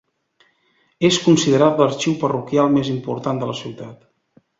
És considerat l'arxiu parroquial més important de la ciutat.